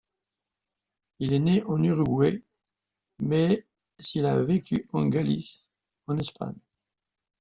Il est né en Uruguay, mais il a vécu en Galice, en Espagne.